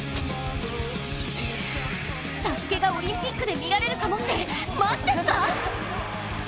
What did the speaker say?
「ＳＡＳＵＫＥ」がオリンピックで見られるかもってマジですか？